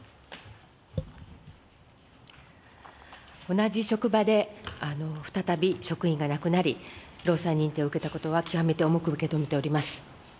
同じ職場で、再び職員が亡くなり、労災認定を受けたことは、極めて重く受け止めております。